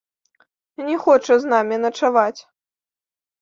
Не хоча з намі начаваць.